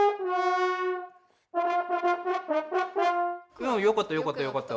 うんよかったよかったよかった。